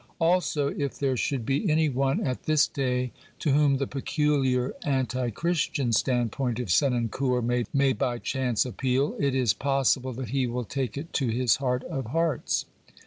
Also, if there should be any one at this day to whom the peculiar anti Christian standpoint of Senancour may by chance appeal, it is possible that he will take it to his heart of hearts.